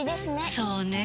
そうねぇ。